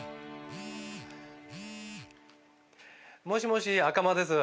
もしもし赤間です。